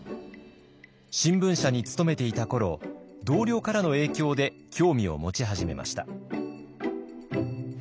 新聞社に勤めていた頃同僚からの影響で興味を持ち始めました。